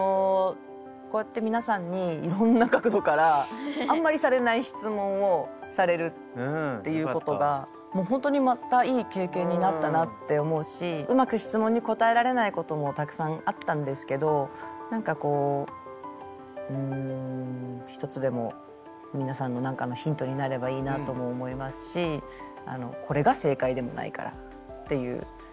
こうやって皆さんにいろんな角度からあんまりされない質問をされるっていうことがもう本当にまたいい経験になったなって思うしうまく質問に答えられないこともたくさんあったんですけど何かこう一つでも皆さんの何かのヒントになればいいなとも思いますしこれが正解でもないからっていう。